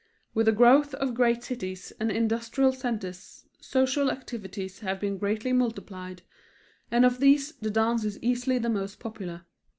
With the growth of great cities and industrial centers social activities have been greatly multiplied, and of these the dance is easily the most popular.